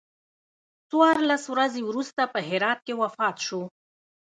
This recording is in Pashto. څوارلس ورځې وروسته په هرات کې وفات شو.